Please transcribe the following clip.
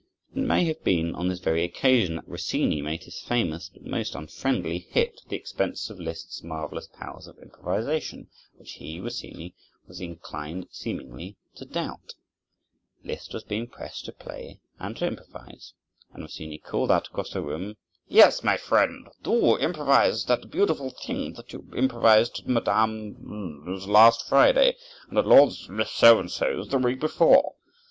It may have been on this very occasion that Rossini made his famous, but most unfriendly, hit at the expense of Liszt's marvelous powers of improvisation, which he, Rossini, was inclined seemingly to doubt. Liszt was being pressed to play and to improvise, and Rossini called out across the room: "Yes, my friend, do improvise that beautiful thing that you improvised at Madam —'s last Friday, and at Lord So and So's the week before."